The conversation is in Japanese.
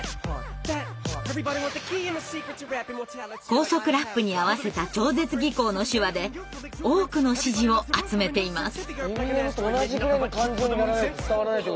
高速ラップに合わせた超絶技巧の手話で多くの支持を集めています。